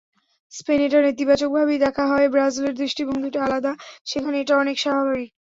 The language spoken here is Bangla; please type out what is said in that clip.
স্পেনে এটা নেতিবাচকভাবেই দেখা হয়, ব্রাজিলের দৃষ্টিভঙ্গিটা আলাদা, সেখানে এটা অনেক স্বাভাবিক।